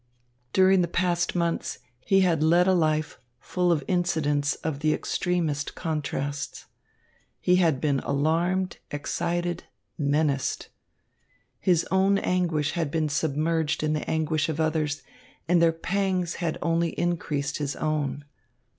During the past months, he had led a life full of incidents of the extremest contrasts. He had been alarmed, excited, menaced. His own anguish had been submerged in the anguish of others, and their pangs had only increased his own.